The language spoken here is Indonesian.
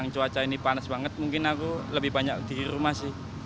cuaca ini panas banget mungkin aku lebih banyak di rumah sih